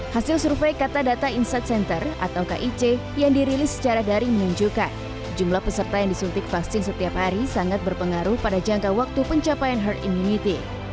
hasil survei kata data insight center atau kic yang dirilis secara daring menunjukkan jumlah peserta yang disuntik vaksin setiap hari sangat berpengaruh pada jangka waktu pencapaian herd immunity